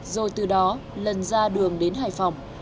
rồi từ đó lần ra đường đến hải phòng